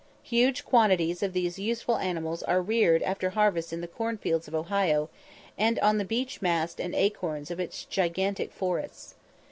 Huge quantities of these useful animals are reared after harvest in the corn fields of Ohio, and on the beech mast and acorns of its gigantic forests.